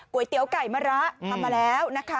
เตี๋ยวไก่มะระทำมาแล้วนะคะ